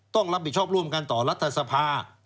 ต้องรับผิดชอบร่วมกันต่อรัฐสภา